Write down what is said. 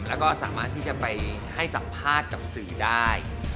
แล้วก็สามารถที่จะไปให้สัมภาษณ์กับสื่อได้